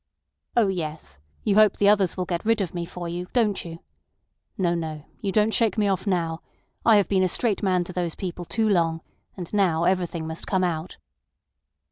"Oh yes; you hope the others will get rid of me for you—don't you? No, no; you don't shake me off now. I have been a straight man to those people too long, and now everything must come out."